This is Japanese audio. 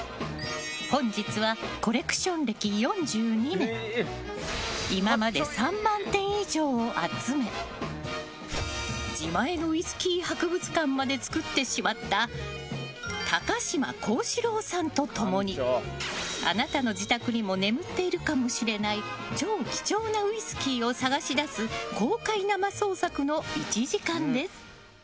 本日はコレクション歴４２年今まで３万点以上を集め自前のウイスキー博物館まで作ってしまった高嶋甲子郎さんと共にあなたの自宅にも眠っているかもしれない超貴重なウイスキーを探し出す公開生捜査の１時間です！